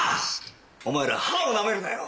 お前ら歯をなめるなよ。